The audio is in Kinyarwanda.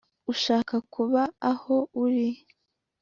ushaka kuba aho uri